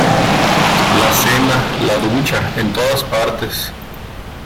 la cena, la ducha , en todas partes.